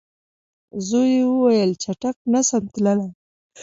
زوی یې وویل چټک نه سمه تللای